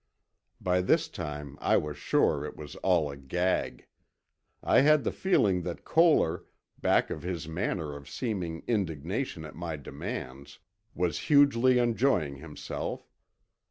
By this time I was sure it was all a gag. I had the feeling that Koehler, back of his manner of seeming indignation at my demands, was hugely enjoying himself.